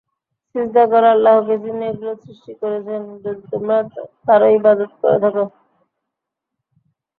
সিজদা কর আল্লাহকে যিনি এগুলো সূষ্টি করেছেন, যদি তোমরা তারই ইবাদত করে থাকো।